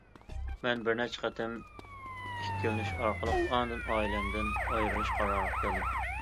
مەن بىرنەچچە قېتىم ئىككىلىنىش ئارقىلىق ئاندىن ئائىلەمدىن ئايرىلىش قارارىغا كەلدىم.